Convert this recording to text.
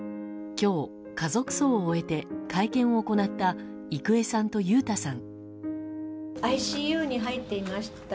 今日、家族葬を終えて会見を行った郁恵さんと裕太さん。